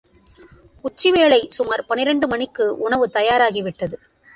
உச்சி வேளை சுமார் பனிரண்டு மணிக்கு உணவு தயாராகிவிட்டது.